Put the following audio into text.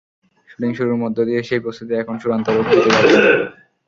Shooting শুরুর মধ্য দিয়ে সেই প্রস্তুতি এখন চূড়ান্ত রূপ পেতে যাচ্ছে।